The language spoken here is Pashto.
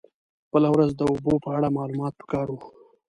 بله ورځ د اوبو په اړه معلومات په کار و.